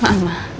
mau ke rumah